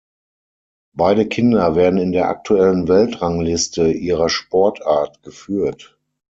Beide Kinder werden in der aktuellen Weltrangliste ihrer Sportart geführt.